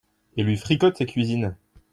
Et lui fricote sa cuisine !